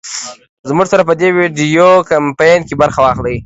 زمونږ سره په دې وېډيو کمپين کې برخه واخلۍ